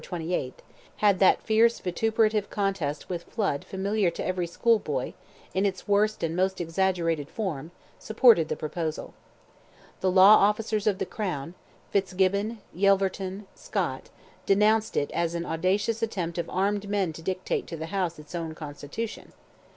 28th) had that fierce vituperative contest with Flood familiar to every school boy, in its worst and most exaggerated form, supported the proposal. The law officers of the crown, Fitzgibbon, Yelverton, Scott, denounced it as an audacious attempt of armed men to dictate to the House its own constitution.